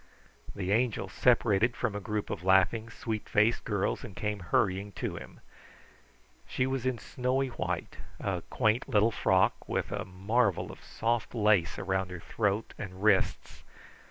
The Angel separated from a group of laughing, sweet faced girls and came hurrying to him. She was in snowy white a quaint little frock, with a marvel of soft lace around her throat and wrists.